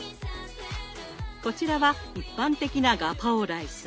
こちらは一般的なガパオライス。